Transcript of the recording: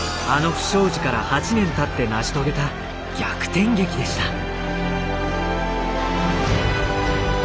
あの不祥事から８年たって成し遂げた逆転劇でした。